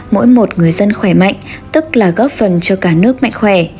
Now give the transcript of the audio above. mỗi một người dân khỏe mạnh tức là góp phần cho cả nước mạnh khỏe